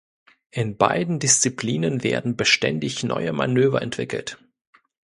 In beiden Disziplinen werden beständig neue Manöver entwickelt.